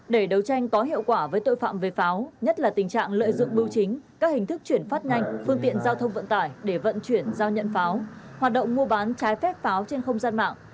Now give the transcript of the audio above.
để đấu tranh có hiệu quả với tội phạm về pháo nhất là tình trạng lợi dụng bưu chính các hình thức chuyển phát nhanh phương tiện giao thông vận tải để vận chuyển giao nhận pháo hoạt động mua bán trái phép pháo trên không gian mạng